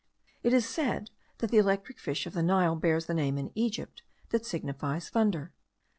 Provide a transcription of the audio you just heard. It is said, that the electric fish of the Nile bears a name in Egypt, that signifies thunder.